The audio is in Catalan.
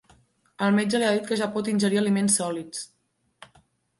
El metge li ha dit que ja pot ingerir aliments sòlids.